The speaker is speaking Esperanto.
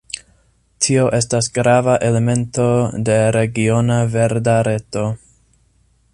Tio estas grava elemento de regiona verda reto.